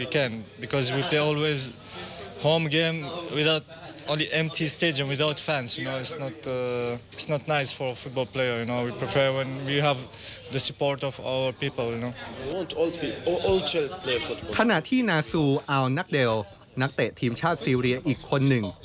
ขณะที่นาซูอัลนักเลลนักเตะทีมชาติซีเรียอีกคนหนึ่ง